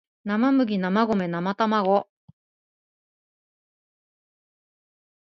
なまむぎなまごめなまたまご